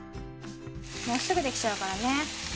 もうすぐ出来ちゃうからね。